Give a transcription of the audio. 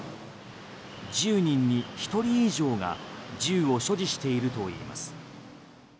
１０人に１人以上が銃を所持しているといいます。